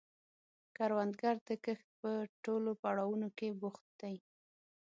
کروندګر د کښت په ټولو پړاوونو کې بوخت دی